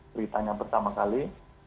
dari tanya pertama kali